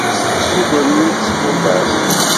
Mmugren-iyi s tumert.